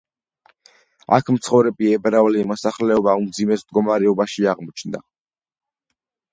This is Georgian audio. აქ მცხოვრები ებრაული მოსახლეობა უმძიმეს მდგომარეობაში აღმოჩნდა.